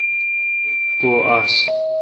کو آس۔